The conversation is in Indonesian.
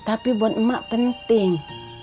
tapi buat emak penting